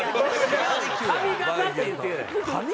違う髪形って言ってる。